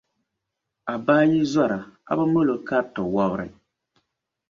A baa yi zɔra, a bi mal’ o kariti wɔbiri.